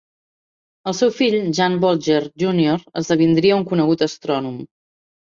El seu fill Jan Woltjer Junior esdevindria un conegut astrònom.